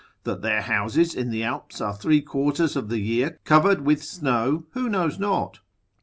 That their houses in the Alps are three quarters of the year covered with snow, who knows not?